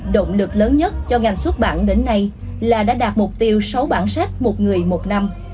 động lực lớn nhất cho ngành xuất bản đến nay là đã đạt mục tiêu sáu bản sách một người một năm